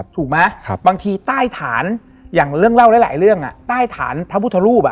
ถูกไหมบางทีใต้ฐานอย่างเรื่องเล่าหลายเรื่องใต้ฐานพระพุทธรูป